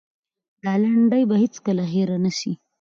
دا لنډۍ به هېڅکله هېره نه سي.